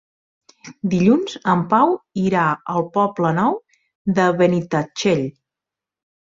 Dilluns en Pau irà al Poble Nou de Benitatxell.